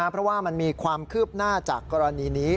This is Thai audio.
เพราะว่ามันมีความคืบหน้าจากกรณีนี้